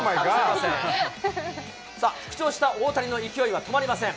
さあ、復調した大谷の勢いは止まりません。